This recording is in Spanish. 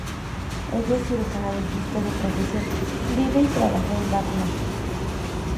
Ella es cirujana dentista de profesión, vive y trabaja en Batna.